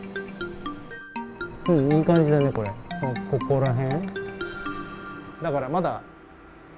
ここら辺。